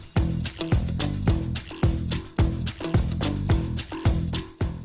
โปรดติดตามตอนต่อไป